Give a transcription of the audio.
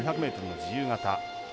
２００ｍの自由形。